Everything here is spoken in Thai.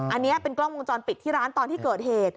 อันนี้เป็นกล้องวงจรปิดที่ร้านตอนที่เกิดเหตุ